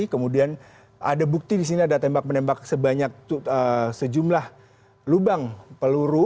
kemudian ada bukti di sini ada tembak menembak sebanyak sejumlah lubang peluru